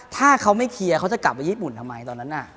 ถ้าเขาไม่เคลียร์เขาจะกลับไปญี่ปุ่นทำไมตอนนั้นน่ะ